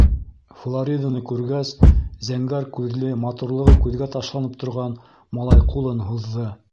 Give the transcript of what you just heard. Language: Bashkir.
Флориданы күргәс, зәңгәр күҙле, матурлығы күҙгә ташланып торған малай ҡулын һуҙҙы: